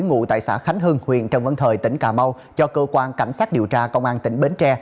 ngụ tại xã khánh hưng huyện trần văn thời tỉnh cà mau cho cơ quan cảnh sát điều tra công an tỉnh bến tre